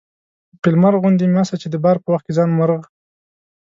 فيل مرغ غوندي مه سه چې د بار په وخت کې ځان مرغ